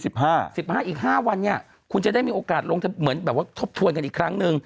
แล้วก็อีก๕วันนี้คุณจะได้มีโอกาสลงเหมือนแบบว่าทบทวนกันอีกครั้งนึง